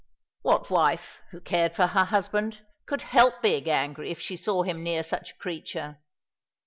What wife, who cared for her husband, could help being angry if she saw him near such a creature?